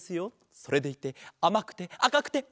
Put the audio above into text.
それでいてあまくてあかくておいしい！